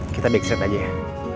kita backstreet aja ya